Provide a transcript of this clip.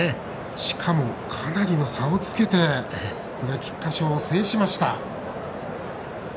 しかも、かなりの差をつけて菊花賞を制しました。